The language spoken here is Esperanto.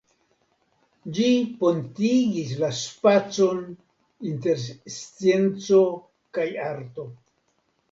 Ĝi pontigis la spacon inter scienco kaj arto.